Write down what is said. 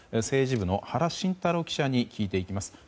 政治部の原慎太郎記者に聞いていきます。